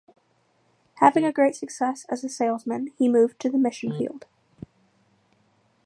Having had great success as a salesman, he moved to the mission field